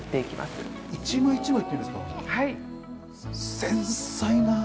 繊細な。